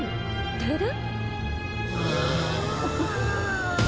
停電？